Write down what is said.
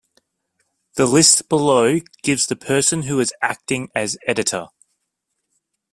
The list below gives the person who was acting as editor.